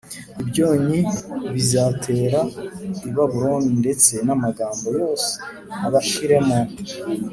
Ibyonnyi bizatera i Babuloni ndetse n’amagambo yose abashiremo